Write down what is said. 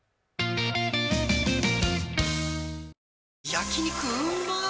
焼肉うまっ